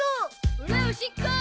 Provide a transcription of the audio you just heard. オラおしっこ！